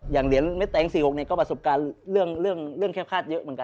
เหรียญเม็ดแตง๔๖เนี่ยก็ประสบการณ์เรื่องแคบคาดเยอะเหมือนกัน